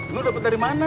lu dapet dari mana